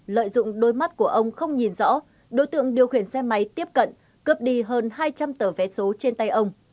lợi dụng đôi mắt của ông không nhìn rõ đối tượng điều khiển xe máy tiếp cận cướp đi hơn hai trăm linh tờ vé số trên tay ông